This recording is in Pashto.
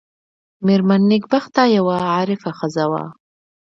مېرمن نېکبخته یوه عارفه ښځه وه.